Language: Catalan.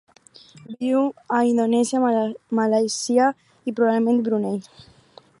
Viu a Indonèsia, Malàisia i, probablement, Brunei.